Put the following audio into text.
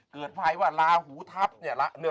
เกิดภัยว่าลาหุทัพนิดหน่อย